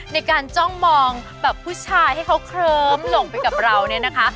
จ้องมองแบบผู้ชายให้เขาเคลิ้มหลงไปกับเราเนี่ยนะคะ